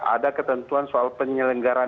ada ketentuan soal penyelenggaraan